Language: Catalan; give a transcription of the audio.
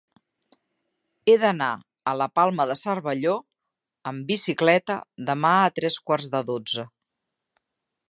He d'anar a la Palma de Cervelló amb bicicleta demà a tres quarts de dotze.